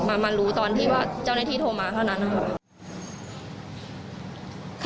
มารู้ตอนที่ว่าเจ้าหน้าที่โทรมาเท่านั้นนะคะ